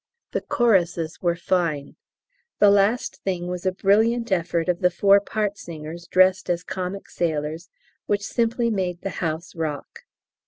The choruses were fine. The last thing was a brilliant effort of the four part singers dressed as comic sailors, which simply made the house rock.